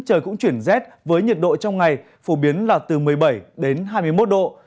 trời cũng chuyển rét với nhiệt độ trong ngày phổ biến là từ một mươi bảy đến hai mươi một độ